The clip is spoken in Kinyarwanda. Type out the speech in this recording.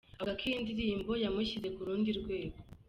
Avuga ko iyi ndirimbo yamushyize ku rundi rwego.